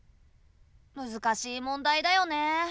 難しい問題だよね。